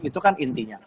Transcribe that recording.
itu kan intinya